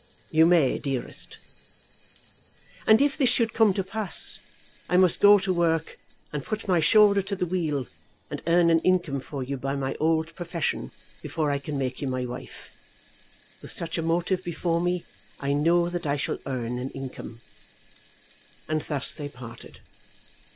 "You may, dearest. And if this should come to pass I must go to work and put my shoulder to the wheel, and earn an income for you by my old profession before I can make you my wife. With such a motive before me I know that I shall earn an income." And thus they parted.